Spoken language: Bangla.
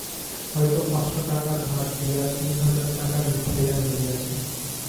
হয়তো পাঁচশো টাকা ধার দিয়া তিন হাজার টাকা লিখাইয়া লইয়াছ।